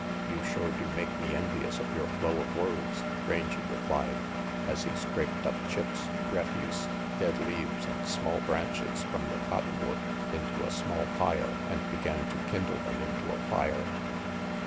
"You shore do make me envious of yore flow of words," Rangy replied, as he scraped up chips, refuse, dead leaves and small branches from the RANGY PETE 89 cotton wood into a small pile and began to kindle them into a fire.